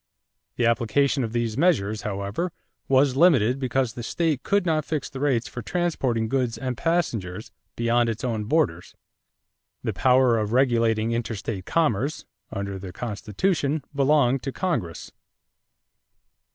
The application of these measures, however, was limited because the state could not fix the rates for transporting goods and passengers beyond its own borders. The power of regulating interstate commerce, under the Constitution, belonged to Congress.